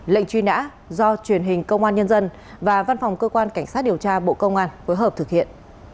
lệnh truy nã do truyền hình công an nhân dân và văn phòng cơ quan cảnh sát điều tra bộ công an phối hợp thực hiện